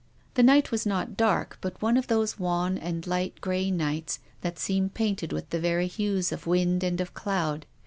The night was not dark, but one of those wan and light grey nights that seem painted with the very hues of wind and of cloud.